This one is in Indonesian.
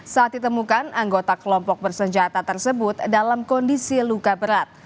saat ditemukan anggota kelompok bersenjata tersebut dalam kondisi luka berat